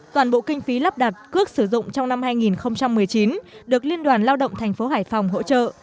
toàn bộ kinh phí lắp đặt cước sử dụng trong năm hai nghìn một mươi chín được liên đoàn lao động thành phố hải phòng hỗ trợ